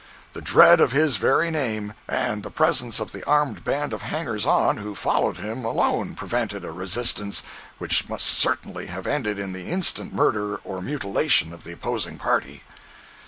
The dread of his very name, and the presence of the armed band of hangers on who followed him alone prevented a resistance which must certainly have ended in the instant murder or mutilation of the opposing party.